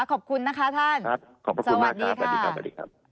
ขอบคุณนะคะท่านสวัสดีค่ะพระอาจารย์สวัสดีครับขอบคุณมากครับ